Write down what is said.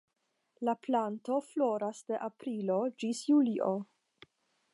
La planto floras de aprilo ĝis julio.